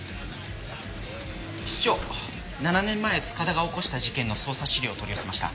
室長７年前塚田が起こした事件の捜査資料を取り寄せました。